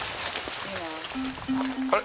「あれ？